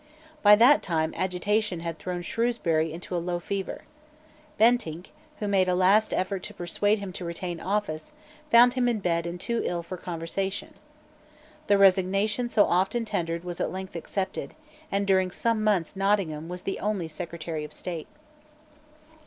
By that time agitation had thrown Shrewsbury into a low fever. Bentinck, who made a last effort to persuade him to retain office, found him in bed and too ill for conversation, The resignation so often tendered was at length accepted; and during some months Nottingham was the only Secretary of State.